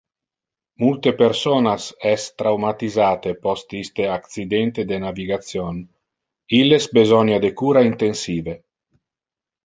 Multe personas es traumatisate post iste accidente de navigation, illes besonia de cura intensive.